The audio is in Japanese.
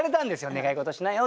「願い事しなよ」って。